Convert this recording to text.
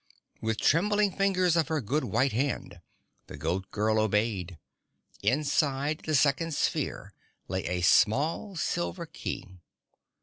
With the trembling fingers of her good white hand the Goat Girl obeyed. Inside the second sphere lay a small silver key.